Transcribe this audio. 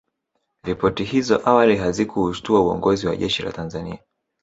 Ripoti hizo awali hazikuushtua uongozi wa jeshi la Tanzania